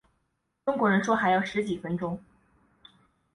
中国人说还要十几分钟